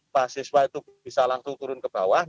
mahasiswa itu bisa langsung turun ke bawah